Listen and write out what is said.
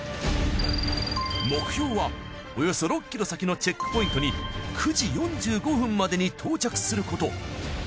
目標はおよそ６ｋｍ先のチェックポイントに９時４５分までに到着すること。